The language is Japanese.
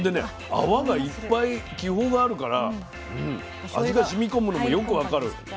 泡がいっぱい気泡があるから味がしみこむのもよく分かる。